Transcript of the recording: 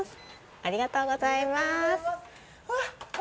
ありがとうございます。